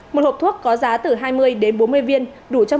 một hộp thuốc có giá từ hai mươi đến bốn mươi viên đủ cho một viên